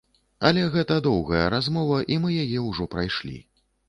Але гэта доўгая размова, і мы яе ўжо прайшлі.